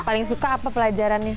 paling suka apa pelajarannya